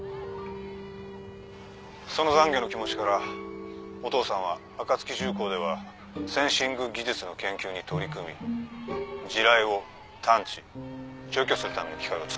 そのざんげの気持ちからお父さんは暁重工ではセンシング技術の研究に取り組み地雷を探知除去するための機械をつくっていたそうだ。